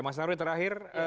mas narwi terakhir